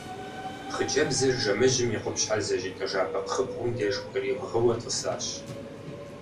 Хъыджэбзыр жэмыжьым и къупщхьэр зыщӀитӀэжа бэкхъыбгъум деж кӀуэри гъыуэ тӀысащ.